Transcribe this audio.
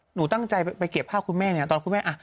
หนูตั้งใจไปเก็บผ้าคุณแม่ตอนคุณแม่